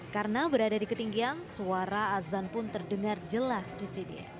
karena berada di ketinggian suara azan pun terdengar jelas di sini